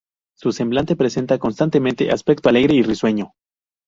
Su semblante presenta constantemente aspecto alegre y risueño".